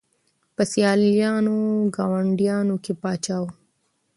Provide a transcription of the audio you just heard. په سیالانو ګاونډیانو کي پاچا وو